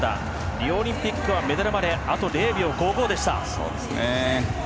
リオオリンピックはメダルまであと０秒５５でした。